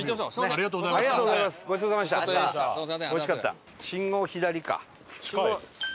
ありがとうございます。